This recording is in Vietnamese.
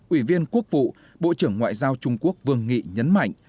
ủy viên quốc vụ bộ trưởng ngoại giao trung quốc vương nghị nhấn mạnh